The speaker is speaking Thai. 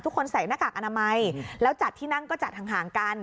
ใส่หน้ากากอนามัยแล้วจัดที่นั่งก็จัดห่างกัน